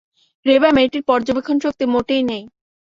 রেবা মেয়েটির পর্যবেক্ষণশক্তি মোটেই নেই!